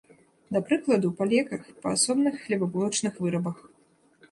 Да прыкладу, па леках, па асобных хлебабулачных вырабах.